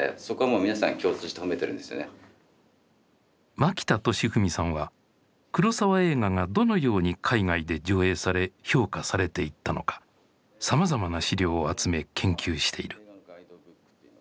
槙田寿文さんは黒澤映画がどのように海外で上映され評価されていったのかさまざまな資料を集め研究している。